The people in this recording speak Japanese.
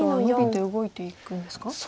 動いていくんですか？